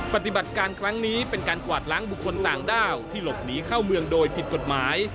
ปฏิบัติการครั้งนี้เป็นการกวาดล้างบุคคลต่างด้าวที่หลบหนีเข้าเมืองโดยผิดกฎหมาย